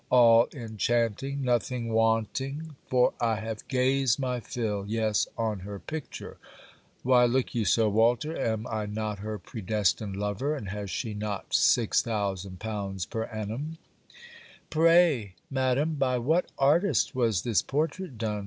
All enchanting! nothing wanting! for I have gazed my fill yes on her picture. Why look you so, Walter? Am I not her predestined lover, and has she not 6000l. per annum? 'Pray, Madam, by what artist was this portrait done?'